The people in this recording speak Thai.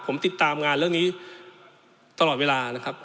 ผมติดตามงานเรื่องนี้ตลอดเวลานะครับ